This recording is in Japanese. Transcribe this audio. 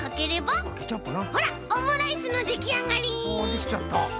できちゃった。